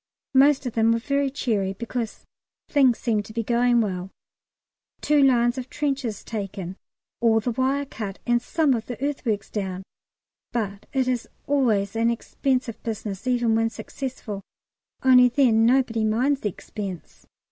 Most of them were very cheery, because things seem to be going well. Two lines of trenches taken, all the wire cut, and some of the earthworks down; but it is always an expensive business even when successful only then nobody minds the expense.